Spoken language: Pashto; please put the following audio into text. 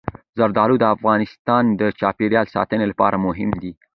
زردالو د افغانستان د چاپیریال ساتنې لپاره مهم دي.